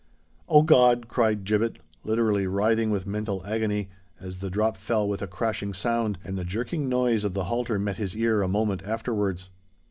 "O God!" cried Gibbet, literally writhing with mental agony, as the drop fell with a crashing sound, and the jerking noise of the halter met his ear a moment afterwards.